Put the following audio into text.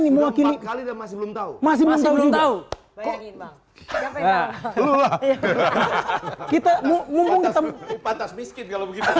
juga kini kali dan masih belum tahu masih masih belum tahu bayangin bang kita mungkin